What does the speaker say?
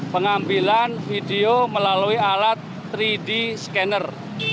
pengambilan video melalui alat tiga d scanner